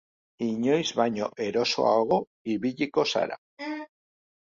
Inoiz baino erosoago ibiliko zara.